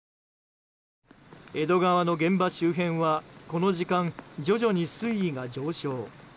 江戸川の現場周辺は、この時間徐々に水位が上昇。